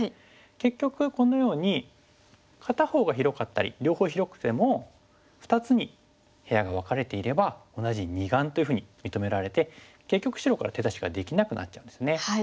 結局このように片方が広かったり両方広くても２つに部屋が分かれていれば同じ二眼というふうに認められて結局白から手出しができなくなっちゃうんですね。